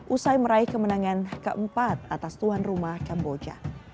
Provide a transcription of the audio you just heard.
usai meraih kemenangan keempat atas tuan rumah kamboja